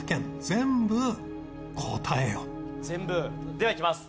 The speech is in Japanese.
ではいきます。